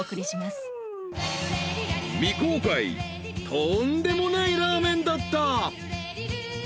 ［とんでもないラーメンだった］